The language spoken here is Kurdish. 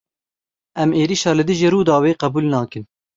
Em êrişa li dijî Rûdawê qebûl nakin.